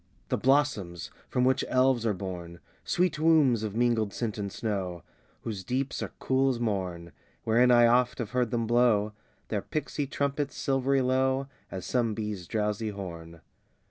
VII The blossoms from which elves are born, Sweet wombs of mingled scent and snow, Whose deeps are cool as morn; Wherein I oft have heard them blow Their pixy trumpets, silvery low As some bee's drowsy horn.